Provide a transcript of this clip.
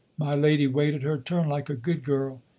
My lady waited her turn, like a good girl!"